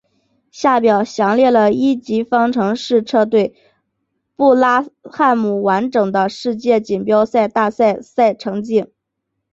下表详列了一级方程式车队布拉汉姆完整的世界锦标赛大奖赛成绩。